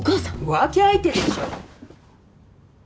浮気相手でしょ！